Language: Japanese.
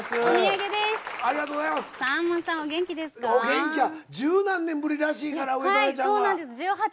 お元気ですか？